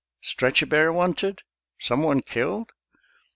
Stretcher bearers wanted? Some one killed?"